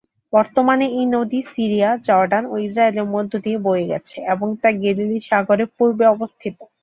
বর্তমানে এই নদী সিরিয়া, জর্ডান ও ইসরায়েলের মধ্য দিয়ে বয়ে গেছে এবং তা গ্যালিলি সাগরের পূর্বে অবস্থিত।